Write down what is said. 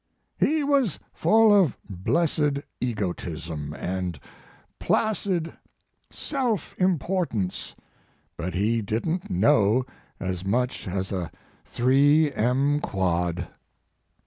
" "He was full of blessed egotism and placid self importance, but he didn t know as much as a 3 em quad."